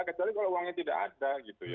kecuali kalau uangnya tidak ada